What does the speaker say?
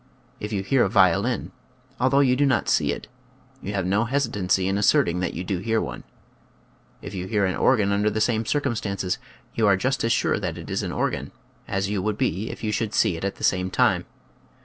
If you hear a violin, although you do not see it, you have no hesitancy in asserting that you do hear one. If you hear an organ under the same circumstances you are just as sure that it is an organ as you would be if you should see it at the same time.